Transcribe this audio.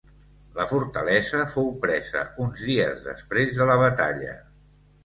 La fortalesa fou presa uns dies després de la batalla.